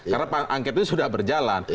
karena angket ini sudah berjalan